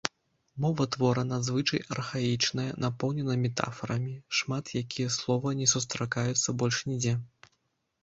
Мова твора надзвычай архаічная, напоўнена метафарамі, шмат якія словы не сустракаюцца больш нідзе.